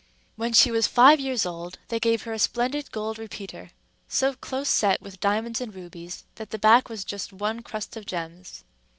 When she was five years old, they gave her a splendid gold repeater, so close set with diamonds and rubies, that the back was just one crust of gems.